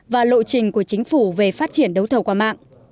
và lộ trình của chính phủ về phát triển đấu thầu qua mạng